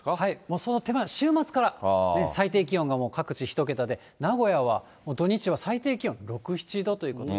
その手前、週末から最低気温がもう各地１桁で、名古屋はもう土日は最低気温６、７度ということで。